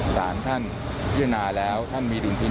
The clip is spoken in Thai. สารท่านเยือนาแล้วท่านมีดุลพินิษฐ์